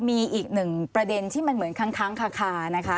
มีอีกหนึ่งประเด็นที่มันเหมือนค้างคานะคะ